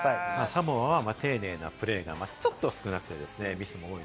サモアは丁寧なプレーがちょっと少なくてミスが多い。